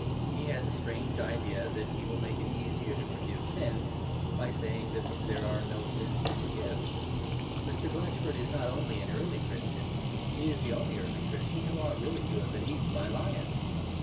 He has a strange idea that he will make it easier to forgive sins by saying that there are no sins to forgive. Mr. Blatchford is not only an early Christian, he is the only early Christian who ought really to have been eaten by lions.